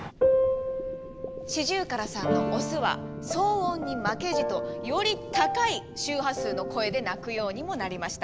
シジュウカラさんのオスは騒音に負けじとより高い周波数の声で鳴くようにもなりました。